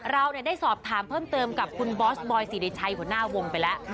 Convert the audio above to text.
เราได้สอบถามเพิ่มเติมกับคุณบอสบอยสิริชัยหัวหน้าวงไปแล้ว